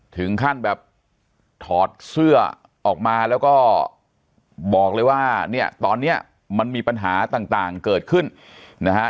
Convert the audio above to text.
ถึงขั้นแบบถอดเสื้อออกมาแล้วก็บอกเลยว่าเนี่ยตอนเนี้ยมันมีปัญหาต่างเกิดขึ้นนะฮะ